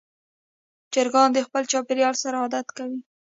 چرګان د خپل چاپېریال سره عادت کوي.